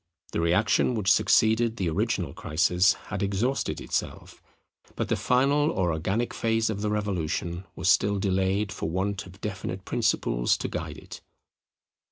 The reaction which succeeded the original crisis had exhausted itself; but the final or organic phase of the Revolution was still delayed for want of definite principles to guide it.